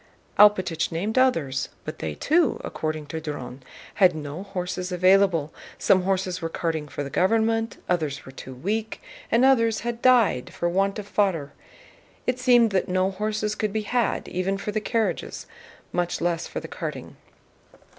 Alpátych named others, but they too, according to Dron, had no horses available: some horses were carting for the government, others were too weak, and others had died for want of fodder. It seemed that no horses could be had even for the carriages, much less for the carting.